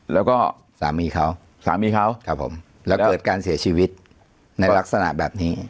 แล้วก็สามีเขาสามีเขาครับผมแล้วเกิดการเสียชีวิตในลักษณะแบบนี้